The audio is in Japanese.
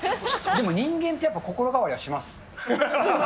でも人間ってやっぱり、心変わりはします。